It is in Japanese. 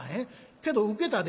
「けどウケたで」。